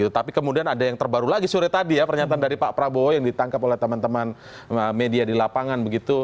tapi kemudian ada yang terbaru lagi sore tadi ya pernyataan dari pak prabowo yang ditangkap oleh teman teman media di lapangan begitu